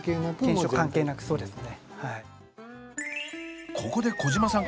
犬種関係なくそうですね。